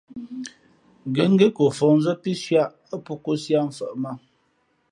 Ngα̌ ngén ko fα̌hnzᾱ pí sʉ̄ʼ ǎ, α pō kōsī ǎ mfαʼ mǎ.